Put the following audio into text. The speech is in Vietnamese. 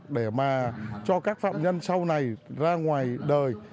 để mà cho các phạm nhân sau này ra ngoài đời